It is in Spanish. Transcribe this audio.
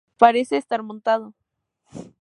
Parece estar montado.